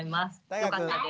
よかったです。